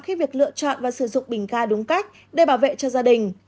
khi việc lựa chọn và sử dụng bình ga đúng cách để bảo vệ cho gia đình